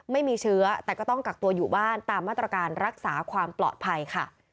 ไม่มีเชื้อแต่ก็ต้องกักตัวอยู่บ้านตามมาตรการรักษาความปลอดภัยค่ะ